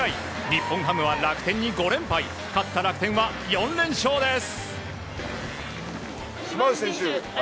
日本ハムは楽天に５連敗勝った楽天は４連勝です。